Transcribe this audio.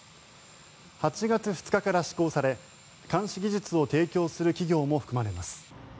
８月２日から施行され監視技術を提供する企業も含まれます。